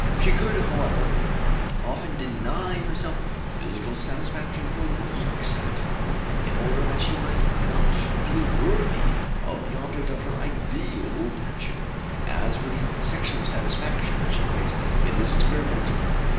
She could, however, often deny herself physical satisfaction for weeks at a time, in order that she might not feel unworthy of the object of her ideal passion. "As for the sexual satisfaction," she writes, "it was experimental.